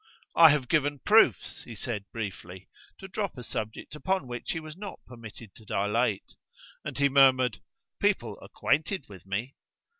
"I have given proofs," he said, briefly, to drop a subject upon which he was not permitted to dilate; and he murmured, "People acquainted with me